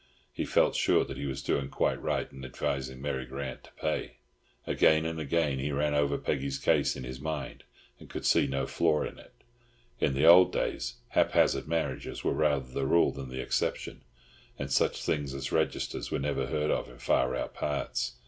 He felt sure that he was doing quite right in advising Mary Grant to pay. Again and again he ran over Peggy's case in his mind, and could see no flaw in it. In the old days haphazard marriages were rather the rule than the exception, and such things as registers were never heard of in far out parts.